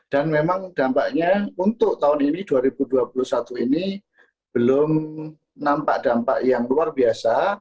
dan memang dampaknya untuk tahun ini dua ribu dua puluh satu ini belum nampak dampak yang luar biasa